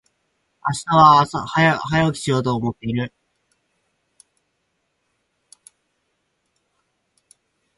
明日は早起きしようと思っている。